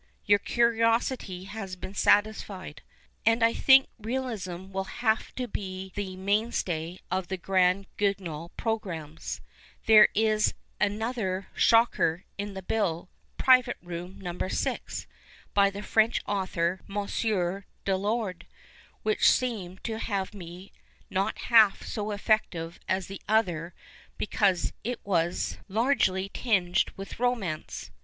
Your curiosity has been satisfied. And I think realism will have to be the mainstay of the Grand Guignol progranmics. There is an other " shocker " in the bill, Private lionm No. 6, by a French author, M. de Lorde, which seemed to me not half so effective as the other because it was 185 PASTICHE AND PREJUDICE largely tinged witli romance.